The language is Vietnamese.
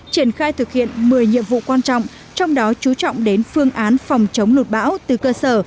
triển khai thực hiện một mươi nhiệm vụ quan trọng trong đó chú trọng đến phương án phòng chống lụt bão từ cơ sở